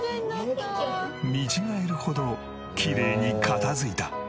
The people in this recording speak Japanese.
見違えるほどきれいに片付いた。